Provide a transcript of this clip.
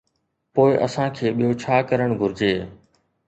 پوءِ اسان کي ٻيو ڇا ڪرڻ گهرجي؟